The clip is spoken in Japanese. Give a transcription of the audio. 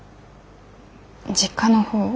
実家の方